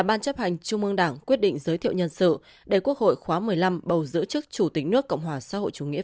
bản chấp hành trung ương đảng làm việc tại hội trường